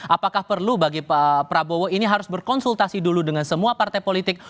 apakah perlu bagi pak prabowo ini harus berkonsultasi dulu dengan semua partai politik